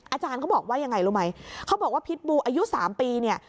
อาจารย์เขาบอกว่ายังไงรู้ไหมเขาบอกว่าพิษบูอายุ๓ปีเนี่ย